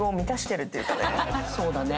そうだね。